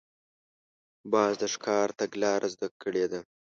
باز د ښکار تګلاره زده کړې ده